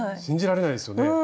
信じられないですよね。